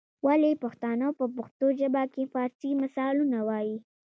ولي پښتانه په پښتو ژبه کي فارسي مثالونه وايي؟